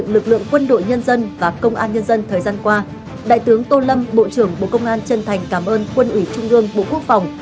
lực lượng quân đội nhân dân và công an nhân dân thời gian qua đại tướng tô lâm bộ trưởng bộ công an chân thành cảm ơn quân ủy trung ương bộ quốc phòng